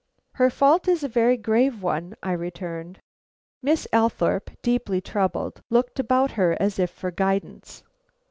"Her fault is a very grave one," I returned. Miss Althorpe, deeply troubled, looked about her as if for guidance.